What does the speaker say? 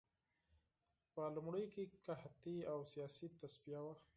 په لومړیو کې قحطي او سیاسي تصفیه وه